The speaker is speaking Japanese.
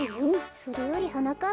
それよりはなかっ